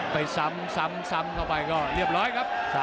ไปซ้ำซ้ำซ้ำเข้าไปก็เรียบร้อยครับ